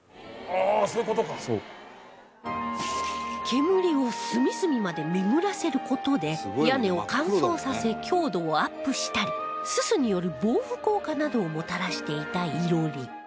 煙を隅々まで巡らせる事で屋根を乾燥させ強度をアップしたりススによる防腐効果などをもたらしていた囲炉裏